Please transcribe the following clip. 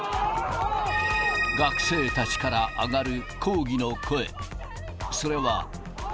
学生たちから上がる抗議の声。